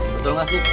betul gak sih